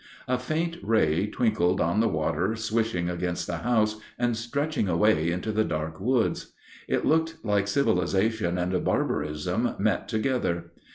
A faint ray twinkled on the water swishing against the house and stretching away into the dark woods. It looked like civilization and barbarism met together.